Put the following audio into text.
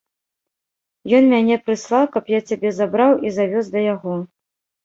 Ён мяне прыслаў, каб я цябе забраў і завёз да яго.